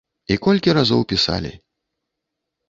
І колькі разоў пісалі.